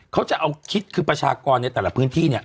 เขาจะเอาคิดคือประชากรในแต่ละพื้นที่เนี่ย